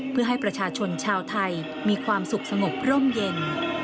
เพื่อให้ประชาชนชาวไทยมีความสุขสงบร่มเย็น